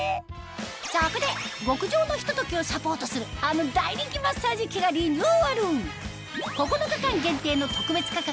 そこで極上のひとときをサポートするあの大人気マッサージ器がリニューアル！